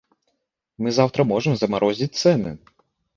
Мы заўтра можам замарозіць цэны.